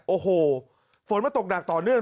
โอ้โหฝนมาตกหนักต่อเนื่อง